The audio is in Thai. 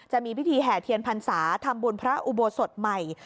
จะมีพิธีแห่เทียนพรรษาทำบุญพระอุโบสถใหม่